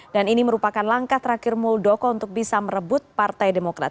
dan ini merupakan langkah terakhir muldoko untuk bisa merebut partai demokrat